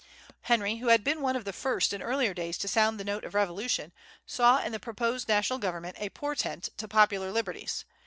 Henry, who had been one of the first in earlier days to sound the note of revolution, saw in the proposed national government a portent to popular liberties.